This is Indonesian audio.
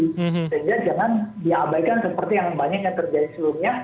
sehingga jangan diabaikan seperti yang banyak yang terjadi sebelumnya